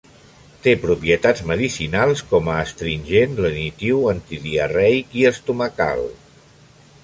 Té propietats medicinals com a astringent, lenitiu, antidiarreic i estomacal.